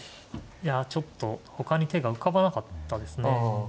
いやちょっと他に手が浮かばなかったですね。